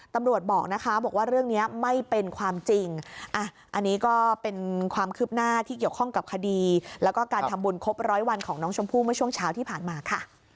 ตำรวจบอกนะคะบอกว่าเรื่องนี้ไม่เป็นความจริงอันนี้ก็เป็นความคืบหน้าที่เกี่ยวข้องกับคดีแล้วก็การทำบุญครบร้อยวันของน้องชมพู่เมื่อช่วงเช้าที่ผ่านมาค่ะ